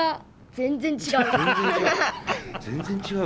全く違う。